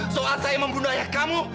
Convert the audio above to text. soal saya membunuh ayah kamu